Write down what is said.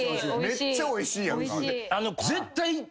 めっちゃおいしいやんか。